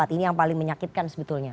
ini yang paling menyakitkan sebetulnya